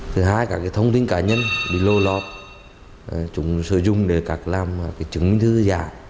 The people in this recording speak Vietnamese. thứ hai các thông tin cá nhân bị lôi lọt chúng sử dụng để làm chứng minh thư giả